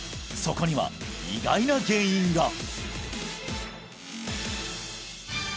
そこには意外な原因が！